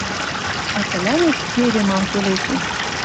А тӹлӓнет теве мам келесем: